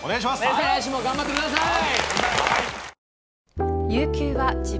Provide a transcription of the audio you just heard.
来週も頑張ってください。